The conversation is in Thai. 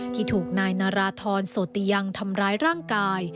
ที่ถูกนายนาราธรโสติยังทำร้ายร่างกาย